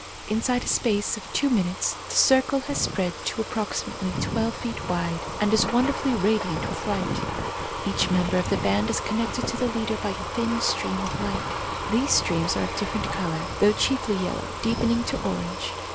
Inside a space of two minutes the circle has spread to ap proximately twelve feet wide and is wonder 118 OBSERVATIONS OF A CLAIRVOYANT fully radiant with light. Each member of the band is connected to the leader by a thin stream of light. These streams are of differ ent colour, though chiefly yellow, deepening to orange.